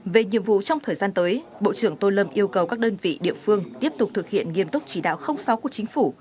về nhiệm vụ trong thời gian tới bộ trưởng tô lâm yêu cầu các đơn vị địa phương tiếp tục thực hiện nghiêm túc chỉ đạo sáu của chính phủ